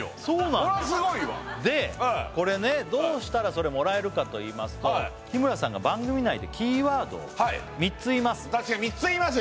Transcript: これはすごいわでこれねどうしたらそれをもらえるかといいますと日村さんが番組内でキーワードを３つ言います私が３つ言いますよ